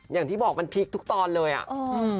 อย่างที่บอกมันพลิกทุกตอนเลยอ่ะอืม